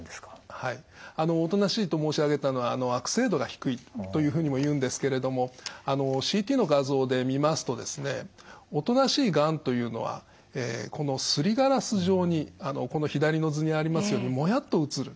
はいおとなしいと申し上げたのは悪性度が低いというふうにもいうんですけれどもＣＴの画像で見ますとですねおとなしいがんというのはこのすりガラス状にこの左の図にありますようにもやっと写る。